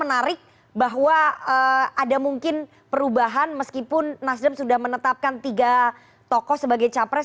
jadi saya menarik bahwa ada mungkin perubahan meskipun nasdem sudah menetapkan tiga tokoh sebagai capres